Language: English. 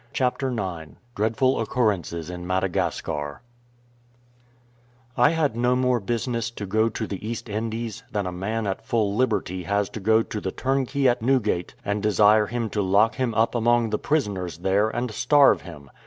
CHAPTER IX DREADFUL OCCURRENCES IN MADAGASCAR I had no more business to go to the East Indies than a man at full liberty has to go to the turnkey at Newgate, and desire him to lock him up among the prisoners there, and starve him.